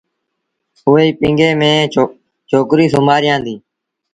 اُئي پيٚگي ميݩ ڇوڪريٚ سُومآريآندي۔